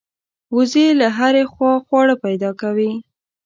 وزې له هرې خوا خواړه پیدا کوي